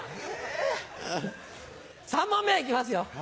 ３問目いきますよ！